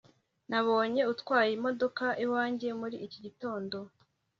nabonye utwaye imodoka iwanjye muri iki gitondo